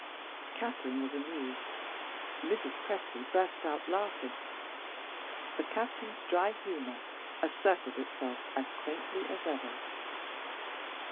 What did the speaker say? Catherine was amused; Mrs. Presty burst out laughing; the Captain's dry humor asserted itself as quaintly as ever.